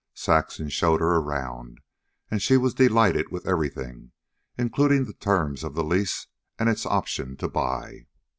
Saxon showed her around, and she was delighted with everything, including the terms of the lease and its option to buy.